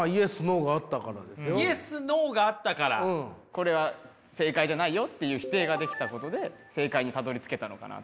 これは正解じゃないよっていう否定ができたことで正解にたどりつけたのかなって。